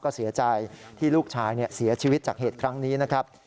ก็เสียใจที่ลูกชายเสียชีวิตจากเหตุครั้งนี้นะครับ